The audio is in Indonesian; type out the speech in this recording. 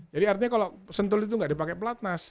jadi artinya kalau sentul itu tidak dipakai platnas